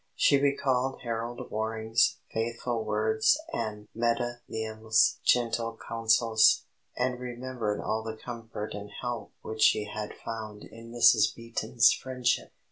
She recalled Harold Waring's faithful words and Meta Neale's gentle counsels, and remembered all the comfort and help which she had found in Mrs. Beaton's friendship.